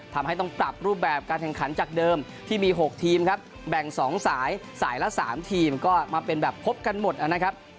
ทำให้ต้องปรับรูปแบบการแข่งขันจากเดิมที่มี๖ทีมครับแบ่ง๒สายสายละ๓ทีมก็มาเป็นแบบพบกันหมดนะครับ